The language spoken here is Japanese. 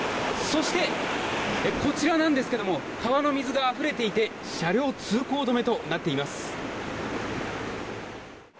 そして、こちらなんですが川の水があふれていて車両通行止めとなっています。